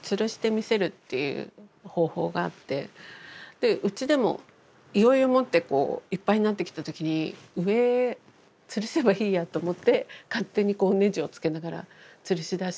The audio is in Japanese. でうちでもいよいよもってこういっぱいになってきた時に上つるせばいいやと思って勝手にネジを付けながらつるしだして。